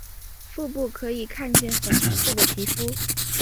腹部可以看见粉红色的皮肤。